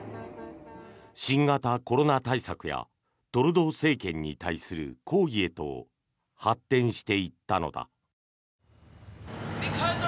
新型コロナ対策やトルドー政権に対する抗議へと発展していったのだ。